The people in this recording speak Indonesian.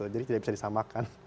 jadi tidak bisa disamaratakan